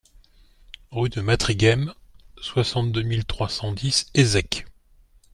Rue de Matringhem, soixante-deux mille trois cent dix Hézecques